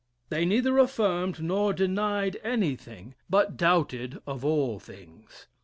They neither affirmed nor denied anything, but doubted of all things.